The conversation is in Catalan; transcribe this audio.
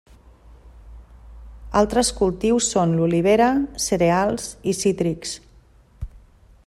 Altres cultius són l'olivera, cereals i cítrics.